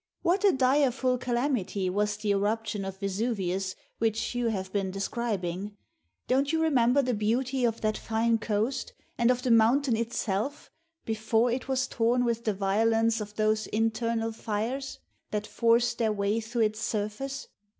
What a direful calamity was the eruption of Vesuvius, which you have been describing? Don't you remember the beauty of that fine coast, and of the mountain itself, before it was torn with the violence of those internal fires, that forced their way through its surface.